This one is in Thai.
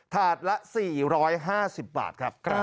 ถาดละ๔๕๐บาทครับ